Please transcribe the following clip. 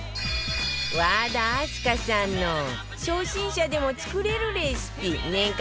和田明日香さんの初心者でも作れるレシピ年間